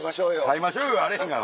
「飼いましょうよ」やあれへんがな。